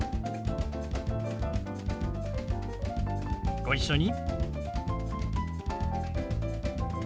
ご一緒に。